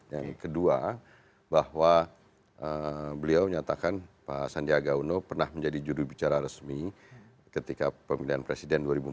yang kedua bahwa beliau nyatakan pak sandiaga uno pernah menjadi judul bicara resmi ketika pemilihan presiden dua ribu empat belas